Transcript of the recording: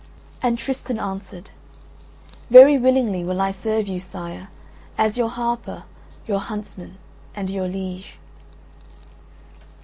And Tristan answered: "Very willingly will I serve you, sire, as your harper, your huntsman and your liege."